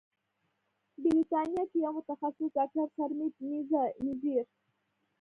بریتانیا کې یو متخصص ډاکتر سرمید میزیر